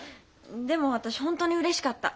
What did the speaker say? でも私本当にうれしかった。